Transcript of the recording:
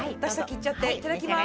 いただきます！